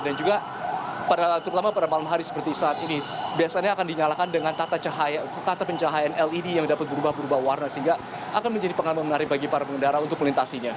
dan juga terutama pada malam hari seperti saat ini biasanya akan dinyalakan dengan tata pencahayaan led yang dapat berubah berubah warna sehingga akan menjadi pengalaman menarik bagi para pengendara untuk kelintasinya